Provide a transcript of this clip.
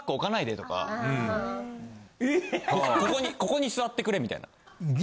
ここに座ってくれみたいな。